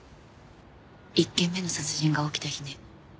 １件目の殺人が起きた日ね。